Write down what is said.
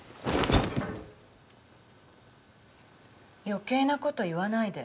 余計なこと言わないで。